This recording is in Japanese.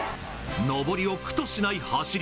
上りを苦としない走り。